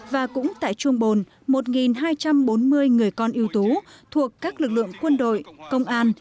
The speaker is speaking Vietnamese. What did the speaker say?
và cũng tại chuồng bồn một hai trăm bốn mươi người con ưu tú thuộc các lực lượng quân đội công an